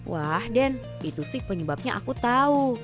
wah den itu sih penyebabnya aku tahu